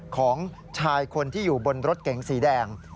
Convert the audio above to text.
ของชายคนที่อยู่บนรถเก๋งสีแดง